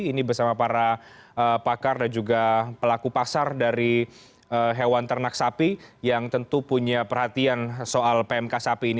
ini bersama para pakar dan juga pelaku pasar dari hewan ternak sapi yang tentu punya perhatian soal pmk sapi ini